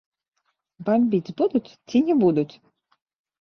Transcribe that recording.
Бамбіць будуць ці не будуць?